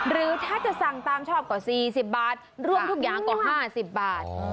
หรือถ้าจะสั่งตามชอบกว่า๔๐บาทร่วมทุกอย่างกว่า๕๐บาท